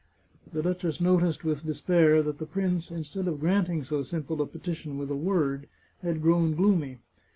" The duchess noticed with despair that the prince, instead of granting so simple a petition with a word, had grown gloomy.